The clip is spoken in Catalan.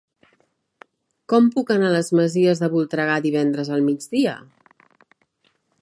Com puc anar a les Masies de Voltregà divendres al migdia?